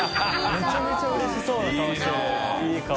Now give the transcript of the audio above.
めちゃめちゃうれしそうな顔してるいい顔。